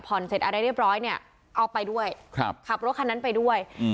เสร็จอะไรเรียบร้อยเนี่ยเอาไปด้วยครับขับรถคันนั้นไปด้วยอืม